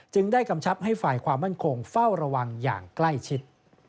ได้กำชับให้ฝ่ายความมั่นคงเฝ้าระวังอย่างใกล้ชิด